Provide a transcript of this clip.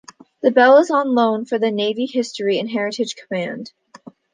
The bell is on loan from the Navy History and Heritage Command.